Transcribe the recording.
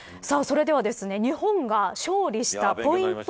それでは日本が勝利したポイント